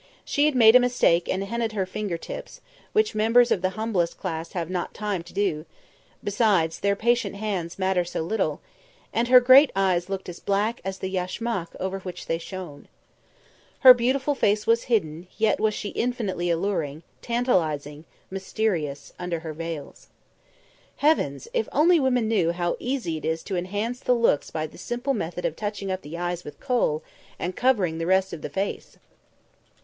She had made a mistake and henna'd her finger tips, which members of the humblest class have not time to do besides, their patient hands matter so little and her great eyes looked as black as the yashmak over which they shone. Her beautiful face was hidden, yet was she infinitely alluring, tantilising, mysterious, under her veils. Heavens! if only women knew how easy it is to enhance the looks by the simple method of touching up the eyes with kohl and covering the rest of the face!